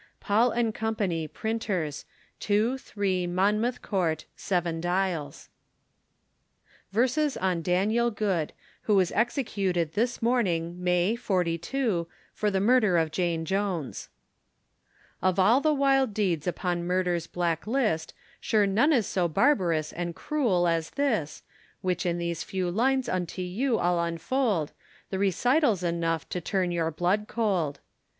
PAUL & CO., Printers, 2, 3, Monmouth Court, Seven Dials. VERSES ON DANIEL GOOD, Who was executed this morning May, '42, for the Murder of Jane Jones Of all the wild deeds upon murder's black list, Sure none is so barbarous and cruel as this, Which in these few lines unto you I'll unfold, The recital's enough to turn your blood cold.